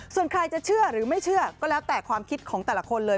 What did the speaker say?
ส่วนใครจะเชื่อหรือไม่เชื่อก็แล้วแต่ความคิดของแต่ละคนเลย